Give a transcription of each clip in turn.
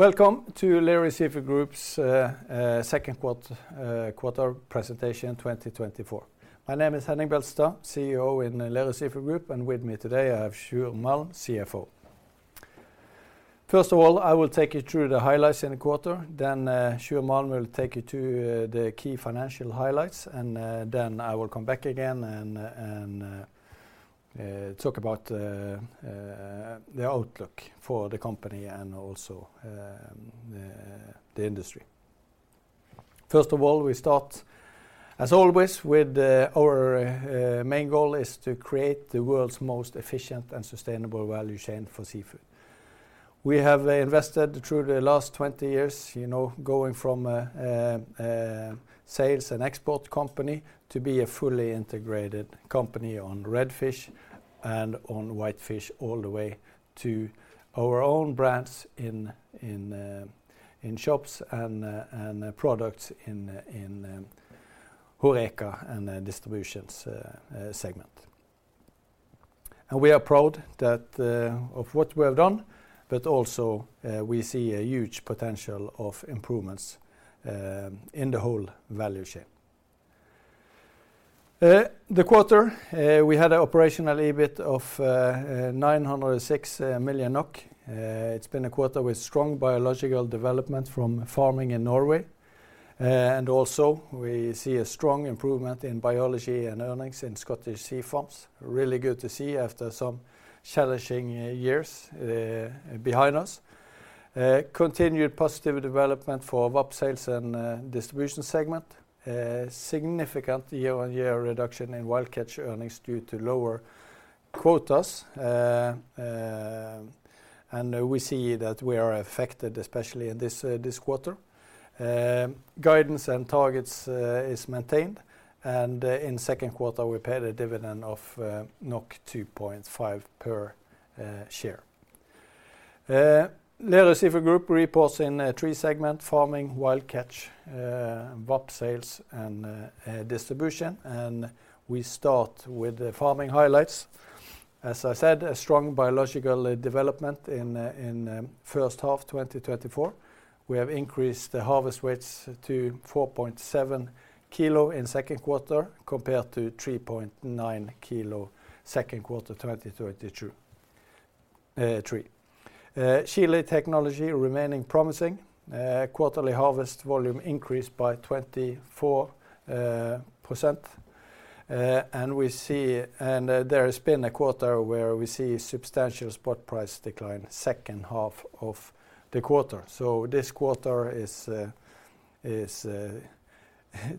Welcome to Lerøy Seafood Group's Q2 presentation 2024. My name is Henning Beltestad, CEO in Lerøy Seafood Group, and with me today, I have Sjur Malm, CFO. First of all, I will take you through the highlights in the quarter, then Sjur Malm will take you to the key financial highlights, and then I will come back again and talk about the outlook for the company and also the industry. First of all, we start, as always, with our main goal is to create the world's most efficient and sustainable value chain for seafood. We have invested through the last 20 years, you know, going from a sales and export company to be a fully integrated company on red fish and on white fish, all the way to our own brands in shops and products in HORECA and distributions segment. And we are proud of what we have done, but also we see a huge potential of improvements in the whole value chain. The quarter we had an operational EBIT of 906 million NOK. It's been a quarter with strong biological development from farming in Norway. And also, we see a strong improvement in biology and earnings in Scottish Sea Farms. Really good to see after some challenging years behind us. Continued positive development for VAP sales and distribution segment. A significant year-on-year reduction in wild catch earnings due to lower quotas, and we see that we are affected, especially in this quarter. Guidance and targets is maintained, and in Q2, we paid a dividend of 2.5 per share. Lerøy Seafood Group reports in three segments: farming, wild catch, VAP sales and distribution, and we start with the farming highlights. As I said, a strong biological development in first half 2024. We have increased the harvest weights to 4.7 kilo in Q2, compared to 3.9 kilo, Q2 2022-3. Chile technology remaining promising. Quarterly harvest volume increased by 24%. There has been a quarter where we see substantial spot price decline second half of the quarter. So this quarter is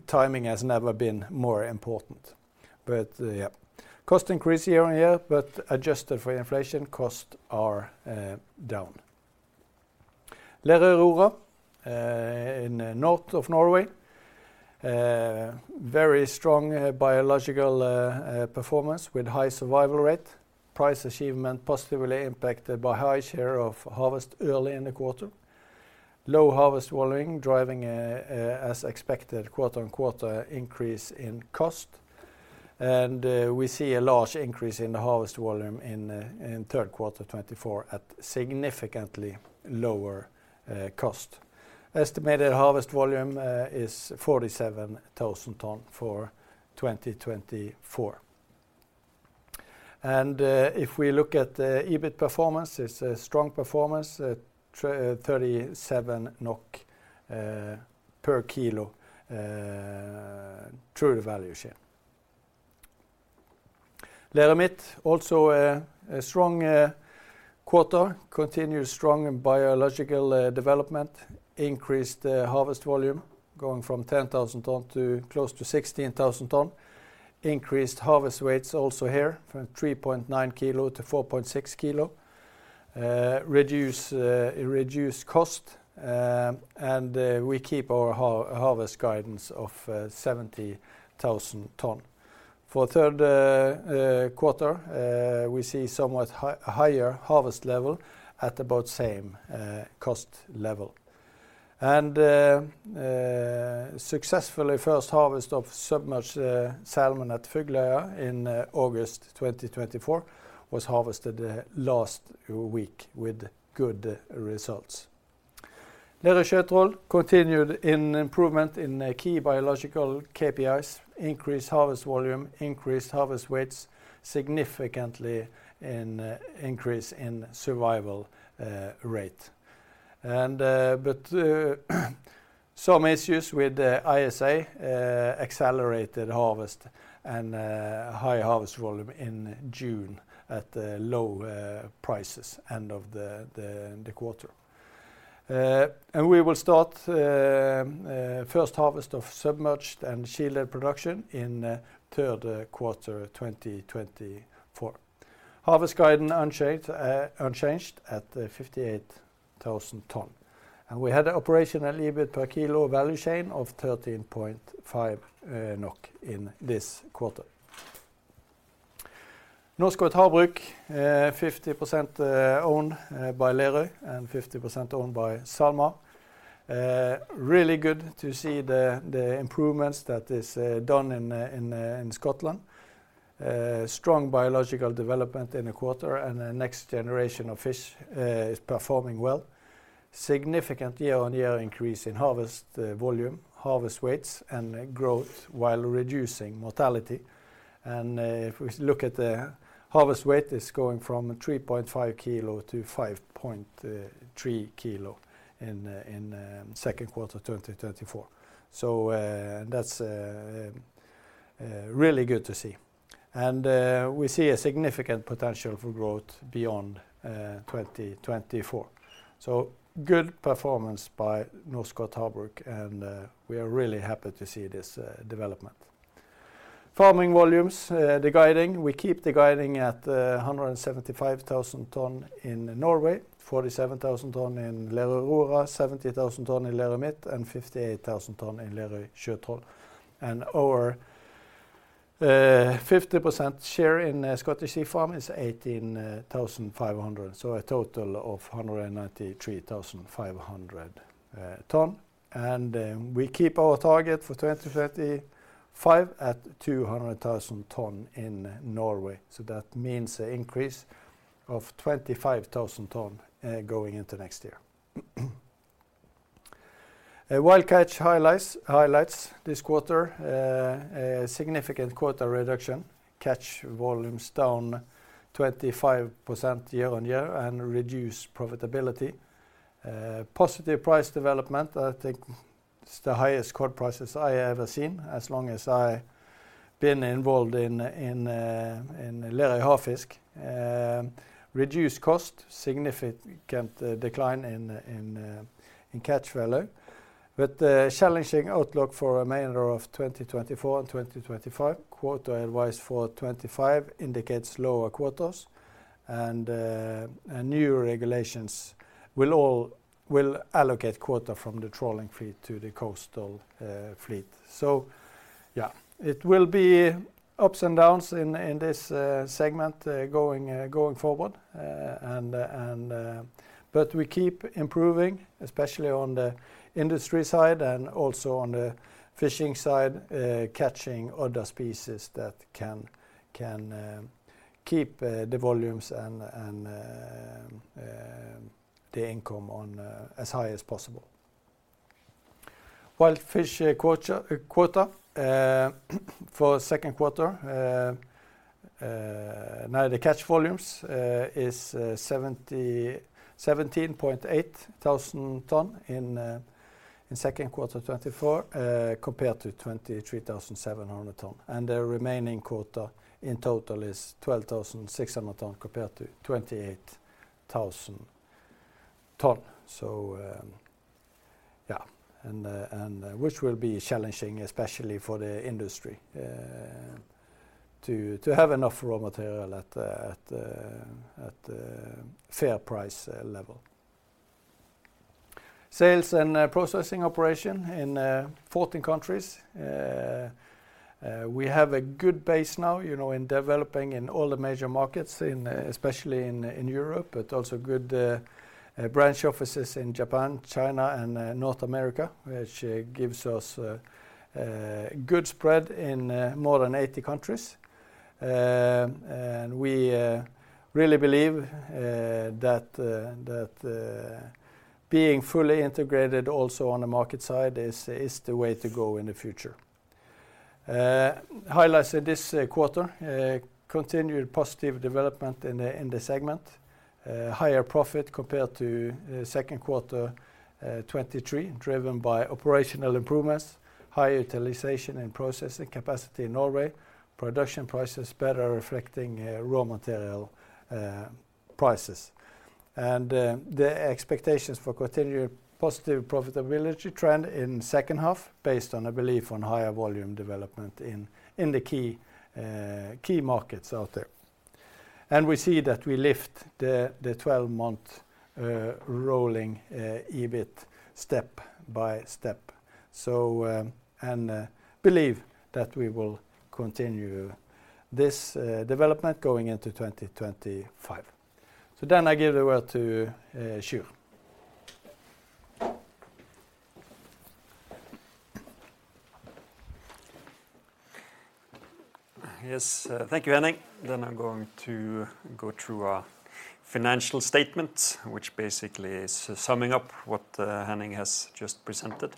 timing has never been more important. But, yeah. Cost increase year-on-year, but adjusted for inflation, costs are down. Lerøy Aurora in north of Norway very strong biological performance with high survival rate. Price achievement positively impacted by high share of harvest early in the quarter. Low harvest volume driving, as expected, quarter-on-quarter increase in cost, and we see a large increase in the harvest volume in Q3 2024 at significantly lower cost. Estimated harvest volume is 47,000 ton for 2024. If we look at the EBIT performance, it's a strong performance, 37 NOK per kilo through the value chain. Lerøy Midt, also a strong quarter. Continuous strong biological development. Increased the harvest volume, going from 10,000 ton to close to 16,000 ton. Increased harvest weights also here, from 3.9 kilo to 4.6 kilo. Reduced cost, and we keep our harvest guidance of 70,000 ton. For Q3, we see somewhat higher harvest level at about same cost level. Successfully, first harvest of submerged salmon at Fugløya in August 2024 was harvested last week with good results. Lerøy Sjøtroll continued improvement in key biological KPIs, increased harvest volume, increased harvest weights, significant increase in survival rate. But some issues with the ISA, accelerated harvest and high harvest volume in June at the low prices end of the quarter. We will start first harvest of submerged and shielded production in Q3 2024. Harvest guidance unchanged at 58,000 ton. We had an operational EBIT per kilo value chain of 13.5 NOK in this quarter. Norskott Havbruk, 50% owned by Lerøy and 50% owned by SalMar. Really good to see the improvements that is done in Scotland. Strong biological development in the quarter, and the next generation of fish is performing well. Significant year-on-year increase in harvest volume, harvest weights, and growth, while reducing mortality. If we look at the harvest weight, it's going from 3.5 kilo to 5.3 kilo in Q2 2024. That's really good to see. We see a significant potential for growth beyond 2024. Good performance by Norskott Havbruk, and we are really happy to see this development. Farming volumes, the guidance, we keep the guidance at 175 thousand ton in Norway, 47 thousand ton in Lerøy Aurora, 70 thousand ton in Lerøy Midt, and 58 thousand ton in Lerøy Sjøtroll. Our 50% share in Scottish Sea Farms is 18,500, so a total of 193,500 ton. We keep our target for 2035 at 200,000 ton in Norway, so that means an increase of 25,000 ton going into next year. Wild catch highlights this quarter a significant quarter reduction, catch volumes down 25% year-on-year and reduced profitability. Positive price development, I think it's the highest cod prices I ever seen as long as I been involved in Lerøy Havfisk. Reduced cost, significant decline in catch value, but a challenging outlook for remainder of 2024 and 2025. Quota advice for 2025 indicates lower quotas, and new regulations will allocate quota from the trawling fleet to the coastal fleet. So yeah, it will be ups and downs in this segment going forward, and... But we keep improving, especially on the industry side and also on the fishing side, catching other species that can keep the volumes and the income on as high as possible. Wild fish quota for Q2, now the catch volumes is 17.8 thousand ton in Q2 2024, compared to 23.7 thousand ton. And the remaining quota in total is 12.6 thousand ton, compared to 28 thousand ton. And which will be challenging, especially for the industry, to have enough raw material at the fair price level. Sales and processing operation in 14 countries. We have a good base now, you know, in developing in all the major markets, especially in Europe, but also good branch offices in Japan, China, and North America, which gives us a good spread in more than eighty countries. And we really believe that being fully integrated also on the market side is the way to go in the future. Highlights in this quarter continued positive development in the segment. Higher profit compared to Q2 2023, driven by operational improvements, high utilization, and processing capacity in Norway. Production prices better reflecting raw material prices. The expectations for continued positive profitability trend in second half, based on a belief on higher volume development in the key markets out there. We see that we lift the twelve-month rolling EBIT step by step. We believe that we will continue this development going into 2025. Then I give the word to Sjur. Yes, thank you, Henning. Then I'm going to go through our financial statement, which basically is summing up what Henning has just presented.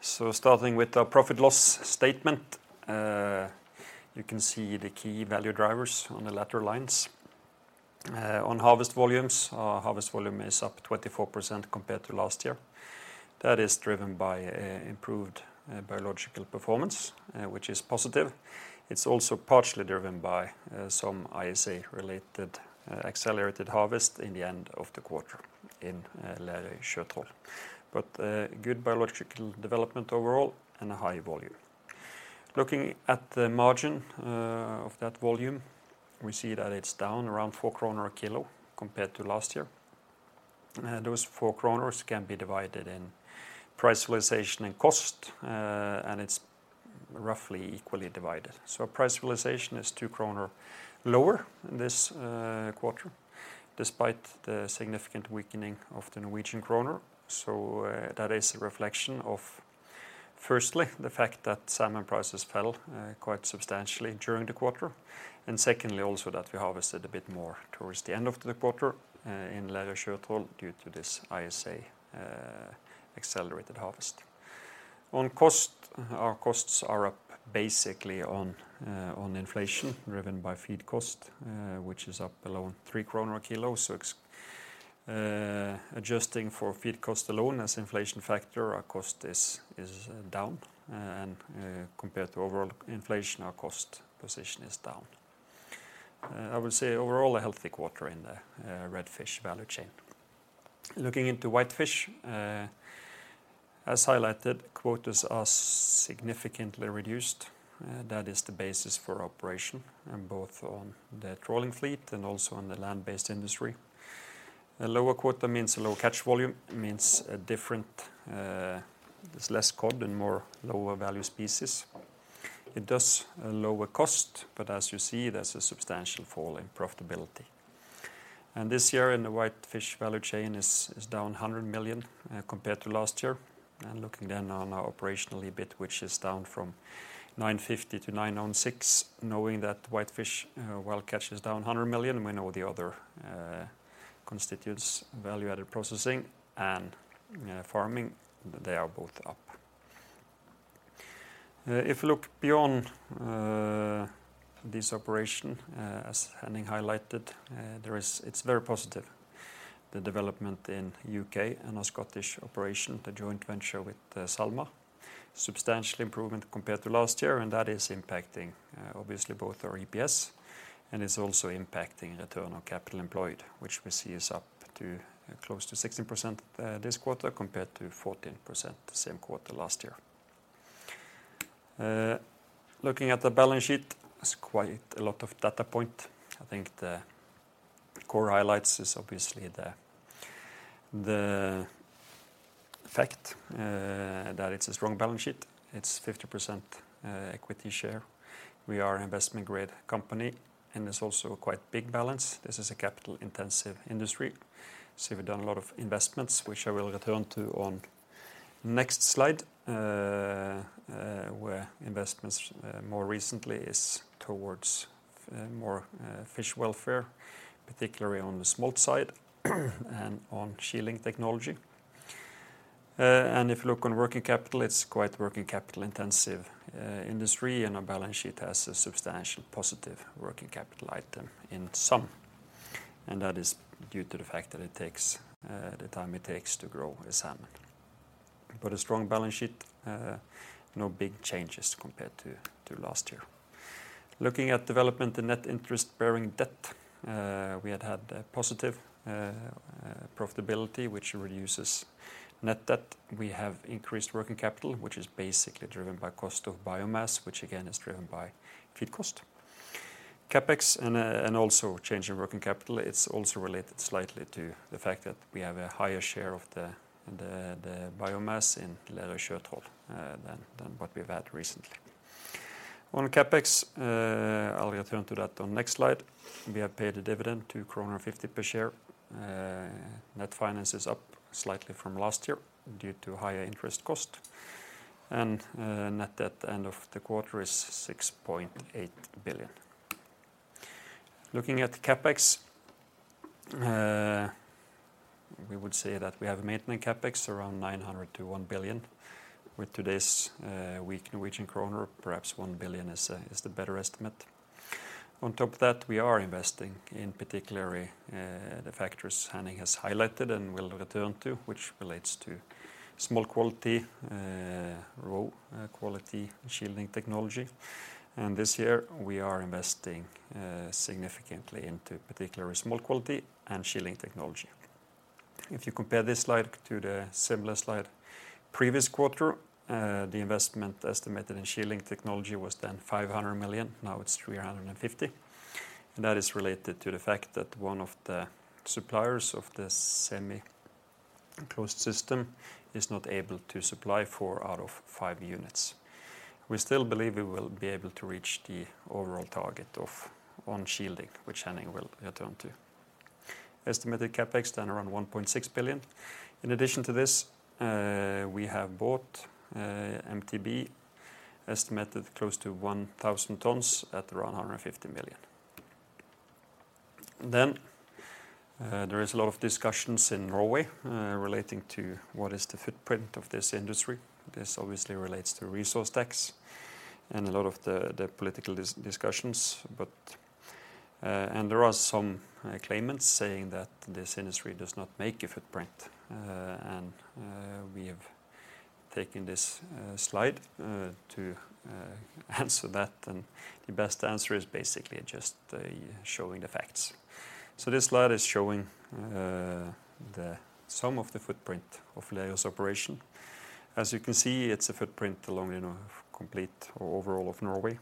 So starting with our profit-loss statement, you can see the key value drivers on the latter lines. On harvest volumes, our harvest volume is up 24% compared to last year. That is driven by improved biological performance, which is positive. It's also partially driven by some ISA-related accelerated harvest in the end of the quarter in Lerøy Sjøtroll. But good biological development overall and a high volume. Looking at the margin of that volume, we see that it's down around 4 kroner a kilo compared to last year. And those 4 kroner can be divided in price realization and cost, and it's roughly equally divided. So price realization is 2 kroner lower in this quarter, despite the significant weakening of the Norwegian kroner. So, that is a reflection of, firstly, the fact that salmon prices fell quite substantially during the quarter, and secondly, also that we harvested a bit more towards the end of the quarter, in larger short haul due to this ISA accelerated harvest. On cost, our costs are up basically on inflation, driven by feed cost, which is up below 3 kroner per kilo. So, adjusting for feed cost alone as inflation factor, our cost is down, and, compared to overall inflation, our cost position is down. I would say overall, a healthy quarter in the red fish value chain. Looking into white fish, as highlighted, quotas are significantly reduced, that is the basis for operation and both on the trawling fleet and also on the land-based industry. A lower quota means a lower catch volume, it means a different... There's less cod and more lower value species. It does a lower cost, but as you see, there's a substantial fall in profitability. And this year in the white fish value chain is down 100 million, compared to last year. And looking then on our operational EBIT, which is down from 950 to 906, knowing that whitefish, well, catch is down 100 million, we know the other constitutes value-added processing and farming, they are both up. If you look beyond this operation, as Henning highlighted, it's very positive, the development in U.K. and our Scottish operation, the joint venture with SalMar. Substantial improvement compared to last year, and that is impacting, obviously, both our EPS and is also impacting return on capital employed, which we see is up to close to 16%, this quarter, compared to 14% the same quarter last year. Looking at the balance sheet, there's quite a lot of data point. I think the core highlights is obviously the fact that it's a strong balance sheet. It's 50% equity share. We are an investment-grade company, and it's also a quite big balance. This is a capital-intensive industry. So we've done a lot of investments, which I will return to on next slide. Where investments more recently is towards more fish welfare, particularly on the smolt side and on shielding technology. If you look on working capital, it's quite working capital-intensive industry, and our balance sheet has a substantial positive working capital item in sum, and that is due to the fact that it takes the time it takes to grow a salmon. But a strong balance sheet, no big changes compared to last year. Looking at development in net interest-bearing debt, we had a positive profitability, which reduces net debt. We have increased working capital, which is basically driven by cost of biomass, which again is driven by feed cost. CapEx and also change in working capital, it's also related slightly to the fact that we have a higher share of the biomass in larger short haul, than what we've had recently. On CapEx, I'll return to that on next slide. We have paid a dividend, 2.50 kroner per share. Net finance is up slightly from last year due to higher interest cost, and, net debt at the end of the quarter is 6.8 billion NOK. Looking at CapEx, we would say that we have a maintenance CapEx around 900 to 1 billion NOK. With today's, weak Norwegian kroner, perhaps 1 billion NOK is the better estimate. On top of that, we are investing in particular the factors Henning has highlighted and we'll return to, which relates to smolt quality shielding technology. This year, we are investing significantly into particularly smolt quality and shielding technology. If you compare this slide to the similar slide previous quarter, the investment estimated in shielding technology was then 500 million, now it's 350 million. And that is related to the fact that one of the suppliers of this semi-closed system is not able to supply four out of five units. We still believe we will be able to reach the overall target of shielding, which Henning will return to. Estimated CapEx then around 1.6 billion. In addition to this, we have bought MTB, estimated close to 1,000 tons at around 150 million NOK. Then, there is a lot of discussions in Norway relating to what is the footprint of this industry. This obviously relates to resource tax and a lot of the political discussions, but there are some claimants saying that this industry does not make a footprint, and we have taken this slide to answer that, and the best answer is basically just showing the facts. So this slide is showing the sum of the footprint of Lerøy's operation. As you can see, it's a footprint along, you know, complete or overall of Norway,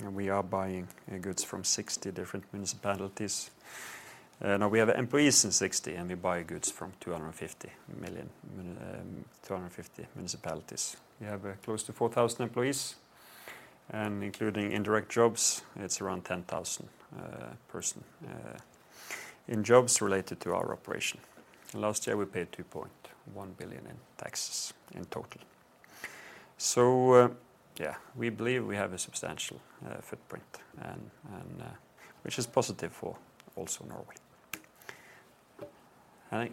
and we are buying goods from 60 different municipalities. Now we have employees in 60, and we buy goods from 250 million, 250 municipalities. We have close to 4,000 employees, and including indirect jobs, it's around 10,000 persons in jobs related to our operation. Last year, we paid 2.1 billion NOK in taxes in total. So, yeah, we believe we have a substantial footprint and which is positive for also Norway. All right.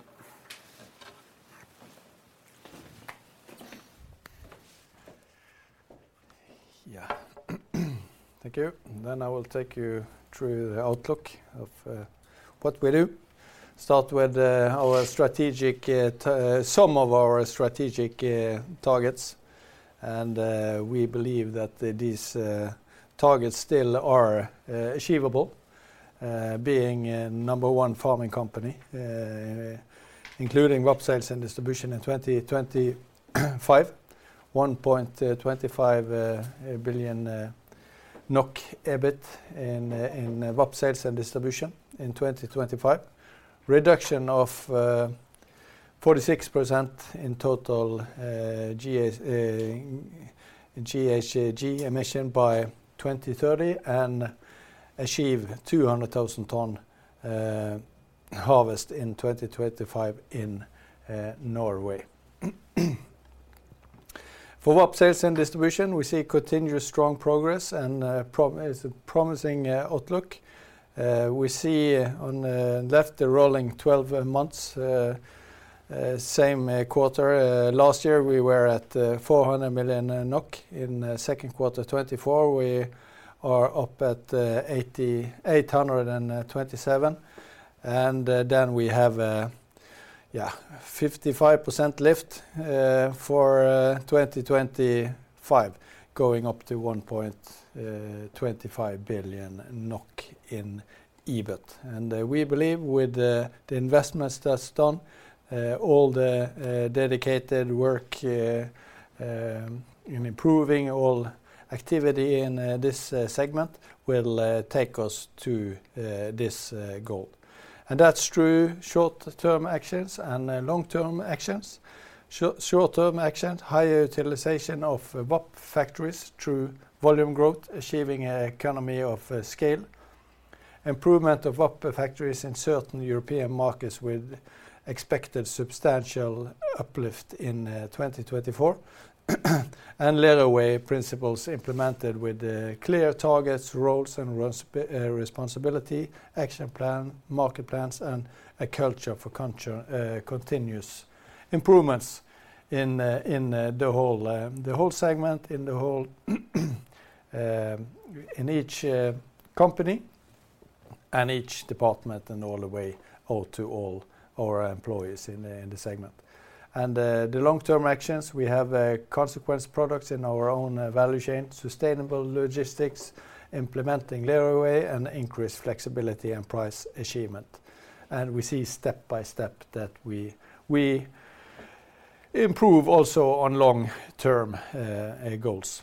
Yeah. Thank you. Then I will take you through the outlook of what we do. Start with our strategic, some of our strategic targets, and we believe that these targets still are achievable, being number one farming company, including VAP sales and distribution in 2025, 1.25 billion NOK EBIT in VAP sales and distribution in 2025. Reduction of 46% in total GHG emission by 2030, and achieve 200,000 ton harvest in 2025 in Norway. For VAP sales and distribution, we see continuous strong progress and it's a promising outlook. We see on the left, the rolling twelve months same quarter. Last year, we were at 400 million NOK. In Q2 2024, we are up at 8,827, and then we have yeah, 55% lift for 2025, going up to 1.25 billion NOK in EBIT. We believe with the investments that’s done, all the dedicated work in improving all activity in this segment will take us to this goal. That’s through short-term actions and long-term actions. Short-term actions, higher utilization of VAP factories through volume growth, achieving an economy of scale. Improvement of VAP factories in certain European markets with expected substantial uplift in 2024. And Lerøy Way principles implemented with clear targets, roles, and responsibility, action plan, market plans, and a culture for continuous improvements in the whole segment, in each company and each department, and all the way out to all our employees in the segment. And the long-term actions, we have convenience products in our own value chain, sustainable logistics, implementing Lerøy Way, and increased flexibility and price achievement. And we see step by step that we improve also on long-term goals.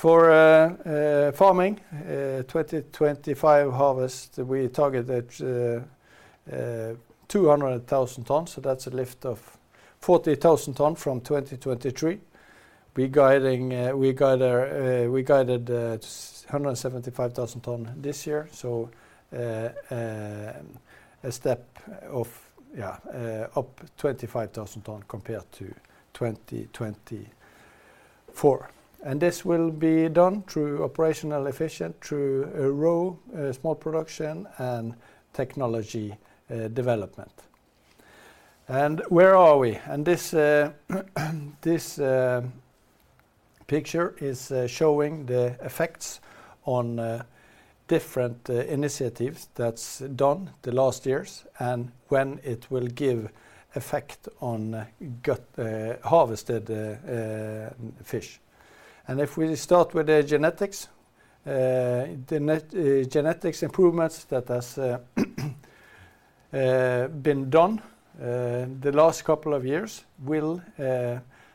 For farming twenty twenty-five harvest, we targeted two hundred thousand tons, so that's a lift of forty thousand ton from twenty twenty-three. We guided 175 thousand tons this year, so a step up 25 thousand tons compared to 2024. This will be done through operational efficiency, through smolt production, and technology development. Where are we? This picture is showing the effects on different initiatives that's done the last years, and when it will give effect on future harvested fish. If we start with the genetics, the genetic improvements that has been done the last couple of years will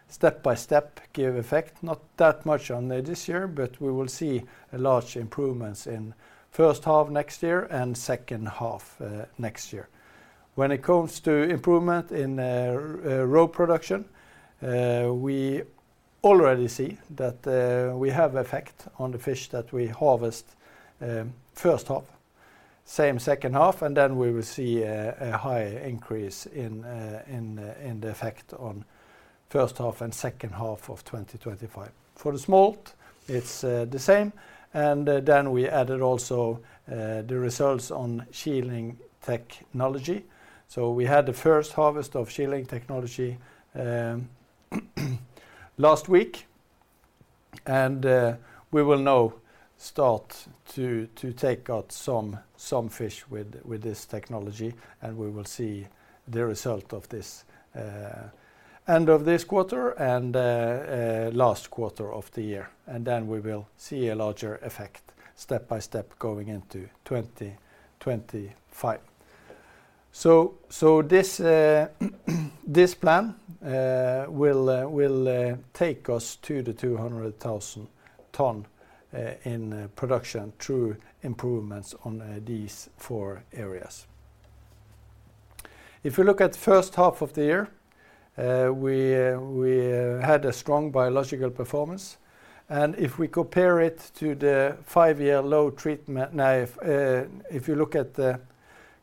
step by step give effect. Not that much on this year, but we will see a large improvements in first half next year and second half next year. When it comes to improvement in roe production, we already see that we have effect on the fish that we harvest first half. Same second half, and then we will see a high increase in the effect on first half and second half of twenty twenty-five. For the smolt, it's the same, and then we added also the results on shielding technology. So we had the first harvest of shielding technology last week, and we will now start to take out some fish with this technology, and we will see the result of this end of this quarter and last quarter of the year. And then we will see a larger effect, step by step, going into twenty twenty-five. So this plan will take us to the 200,000 ton in production through improvements on these four areas. If you look at first half of the year, we had a strong biological performance, and if we compare it to the five-year low treatment.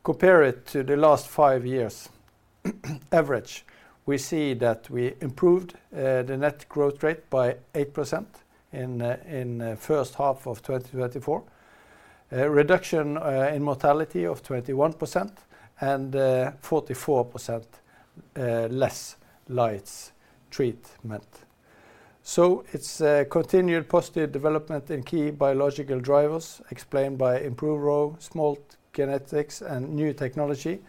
Compare it to the last five years average, we see that we improved the net growth rate by 8% in first half of 2024. Reduction in mortality of 21% and 44% less lice treatment. So it's a continued positive development in key biological drivers explained by improved roe, smolt genetics, and new technology.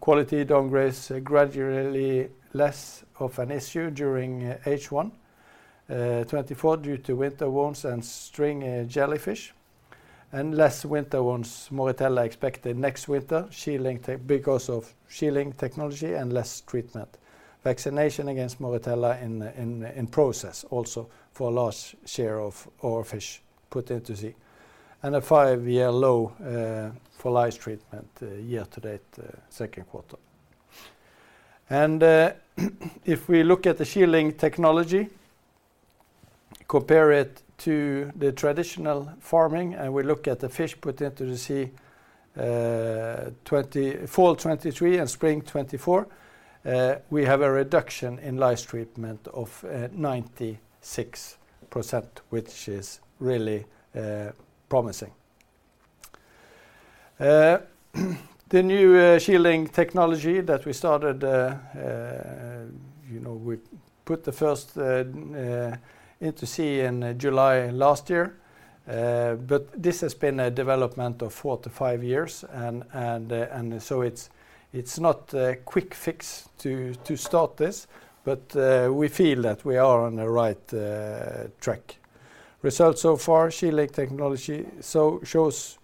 Quality downgrades are gradually less of an issue during H1 2024, due to winter wounds and string jellyfish, and less winter wounds Moritella expected next winter because of shielding technology and less treatment. Vaccination against Moritella in process also for a large share of our fish put into sea. A five-year low for lice treatment year to date, Q2. If we look at the shielding technology, compare it to the traditional farming, and we look at the fish put into the sea, fall 2023 and spring 2024, we have a reduction in lice treatment of 96%, which is really promising. The new shielding technology that we started, you know, we put the first into sea in July last year. But this has been a development of four to five years, and so it's not a quick fix to start this, but we feel that we are on the right track. Results so far, shielding technology shows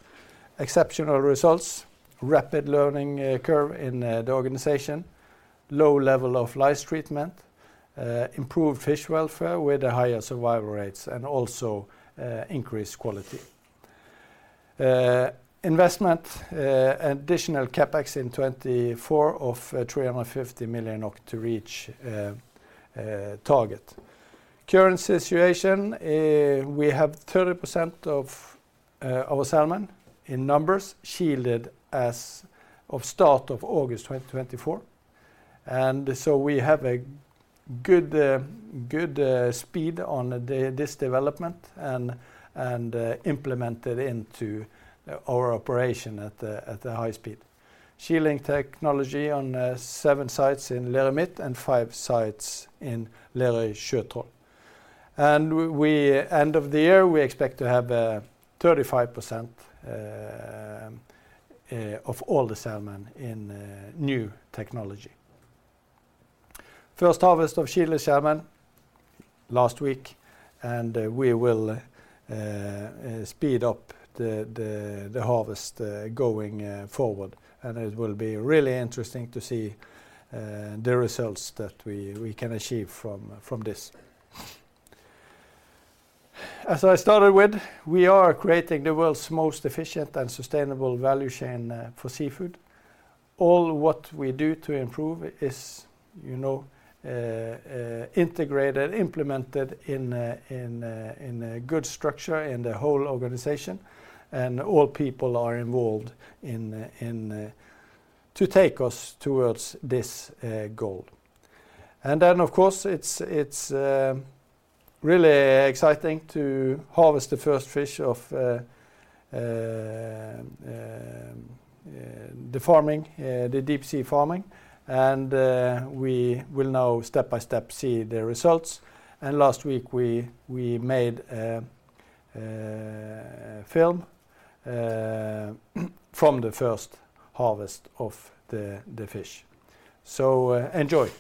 exceptional results, rapid learning curve in the organization, low level of lice treatment, improved fish welfare with higher survival rates, and also increased quality. Investment, additional CapEx in 2024 of 350 million NOK to reach target. Current situation, we have 30% of our salmon in numbers shielded as of start of August 2024, and so we have a good speed on this development and implemented into our operation at a high speed. Shielding technology on seven sites in Lerøy Midt and five sites in Lerøy Sjøtroll. End of the year, we expect to have 35% of all the salmon in new technology. First harvest of shielded salmon last week, and we will speed up the harvest going forward. It will be really interesting to see the results that we can achieve from this. As I started with, we are creating the world's most efficient and sustainable value chain for seafood. All what we do to improve is, you know, integrated, implemented in a good structure in the whole organization, and all people are involved in to take us towards this goal. And then, of course, it's really exciting to harvest the first fish of the farming, the deep sea farming, and we will now step by step see the results. And last week, we made a film from the first harvest of the fish. So, enjoy. ...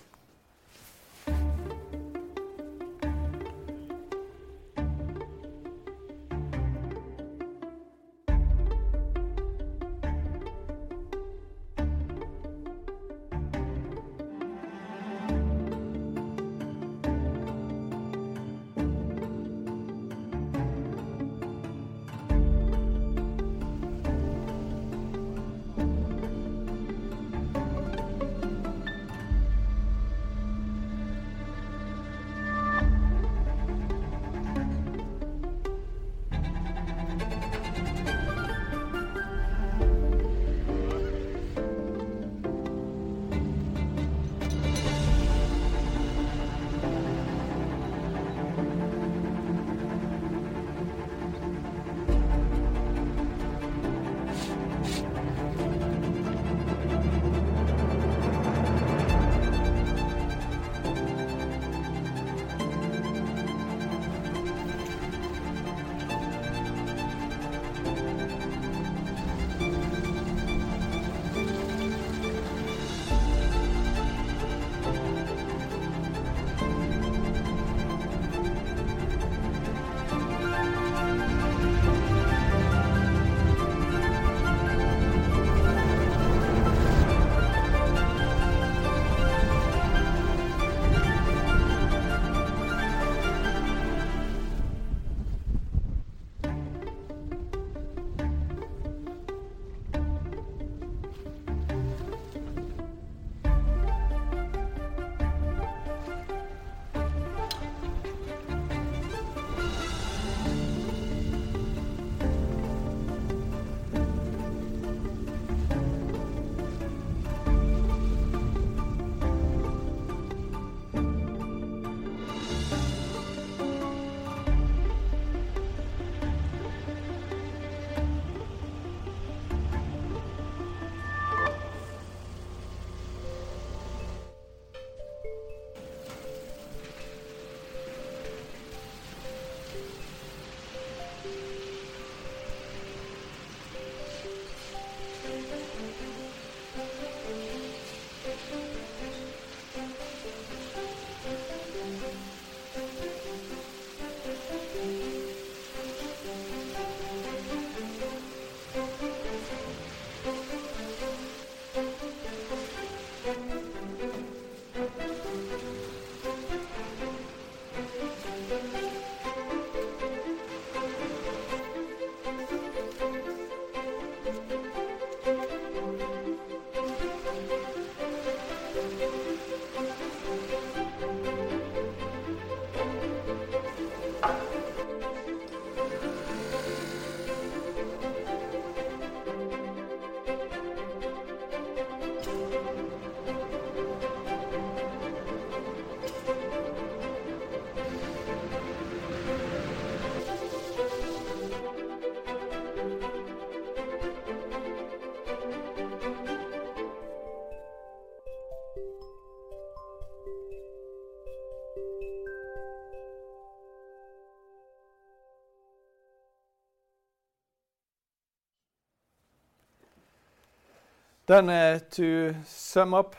Then, to sum up,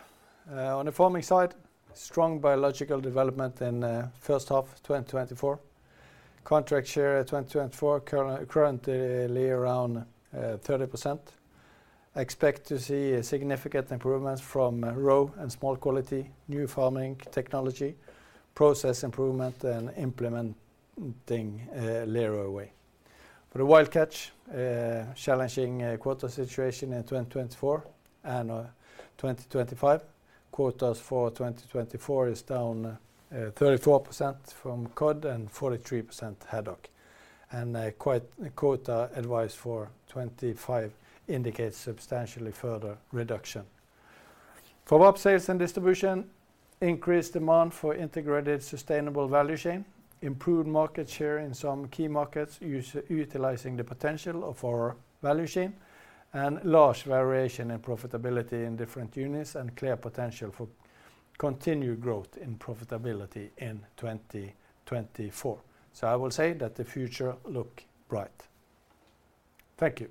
on the farming side, strong biological development in first half 2024. Contract share at 2024 currently around 30%. Expect to see a significant improvements from roe and smolt quality, new farming technology, process improvement, and implementing Lerøy Way. For the wild catch, challenging quota situation in 2024 and 2025. Quotas for 2024 are down 34% for cod and 43% for haddock, and the quota advice for 2025 indicates substantially further reduction. For VAP sales and distribution, increased demand for integrated sustainable value chain, improved market share in some key markets utilizing the potential of our value chain, and large variation in profitability in different units, and clear potential for continued growth in profitability in 2024. I will say that the future looks bright. Thank you!